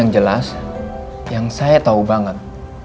yang jelas yang saya tahu banget